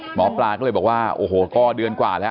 หมอปลาก็เลยบอกว่าโอ้โหก็เดือนกว่าแล้ว